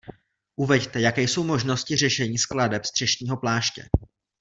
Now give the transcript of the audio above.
Uveďte, jaké jsou možnosti řešení skladeb střešního pláště.